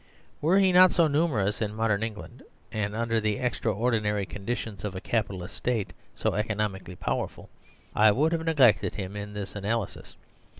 Were he not so numerous in modern England, and, under the extra ordinary conditions of a Capitalist State, so economi cally powerful, I would have neglected him in this analysis.